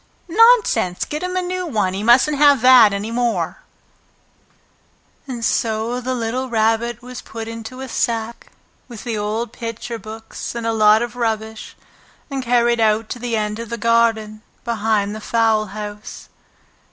Nonsense! Get him a new one. He mustn't have that any more!" Anxious Times And so the little Rabbit was put into a sack with the old picture books and a lot of rubbish, and carried out to the end of the garden behind the fowl house.